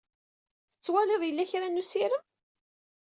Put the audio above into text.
Tettwaliḍ yella kra n usirem?